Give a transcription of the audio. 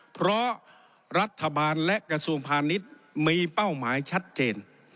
เพราะรัฐบาลและกระทรวงพาณิชย์มีเป้าหมายชัดเจน